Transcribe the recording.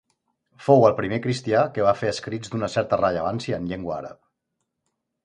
Fou el primer cristià que va fer escrits d'una certa rellevància en llengua àrab.